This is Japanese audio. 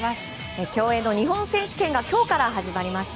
競泳の日本選手権が今日から始まりました。